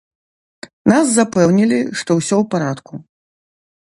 Нас запэўнілі, што ўсё ў парадку!